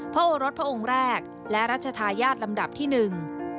โอรสพระองค์แรกและรัชธาญาติลำดับที่หนึ่ง